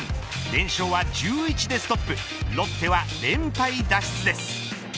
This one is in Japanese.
連勝は１１でストップロッテは連敗脱出です。